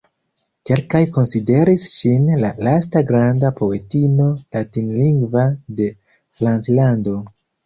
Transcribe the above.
Kelkaj konsideris ŝin la lasta granda poetino latinlingva de Franclando.